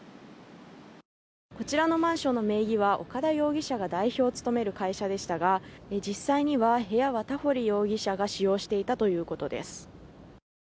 こちらのマンションの名義は岡田容疑者が代表を務める会社でしたが、実際には部屋は田堀容疑者が使用していたということです。